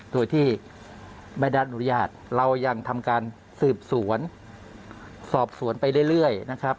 โดยที่ไม่ได้อนุญาตเรายังทำการสืบสวนสอบสวนไปเรื่อยนะครับ